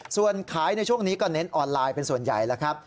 ส่วนขายในช่วงนี้ก็เน้นออนไลน์เป็นส่วนใหญ่แล้วครับ